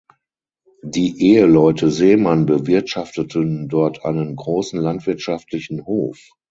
Die Eheleute Seemann bewirtschafteten dort einen großen landwirtschaftlichen Hof.